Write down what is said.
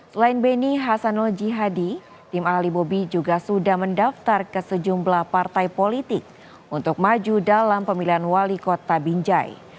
selain beni hasanul jihadi tim ahli bobi juga sudah mendaftar ke sejumlah partai politik untuk maju dalam pemilihan wali kota binjai